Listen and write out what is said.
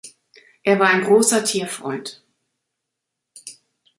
Er war ein großer Tierfreund.